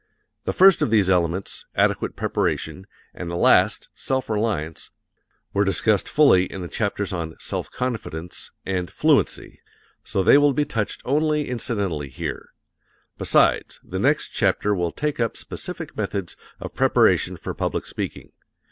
The first of these elements, adequate preparation, and the last, self reliance, were discussed fully in the chapters on "Self Confidence" and "Fluency," so they will be touched only incidentally here; besides, the next chapter will take up specific methods of preparation for public speaking.